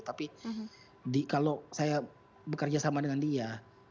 tapi kalau saya bekerja sama dengan dia